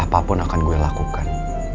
apapun akan gue lakukan